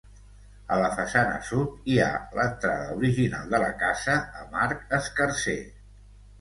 A la façana sud, hi ha l'entrada original de la casa amb arc escarser.